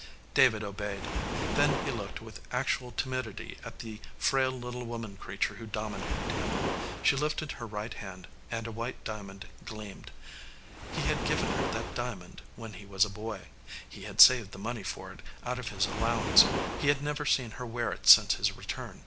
David obeyed. Then he looked with actual timidity at the frail little woman creature who dominated him. She lifted her right hand, and a white diamond gleamed. He had given her that diamond when he was a boy. He had saved the money for it out of his allowance. He had never seen her wear it since his return.